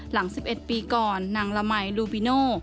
หลัง๑๑ปีก่อนนางละมัยลูบิโน